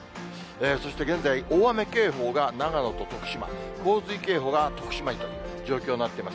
そして現在、大雨警報が長野と徳島、洪水警報が徳島にという状況になっています。